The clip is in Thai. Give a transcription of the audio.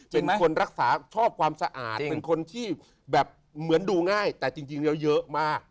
เป็นคนรักษาชอบความสะอาดเป็นคนที่แบบเหมือนดูง่ายแต่จริงแล้วเยอะมาก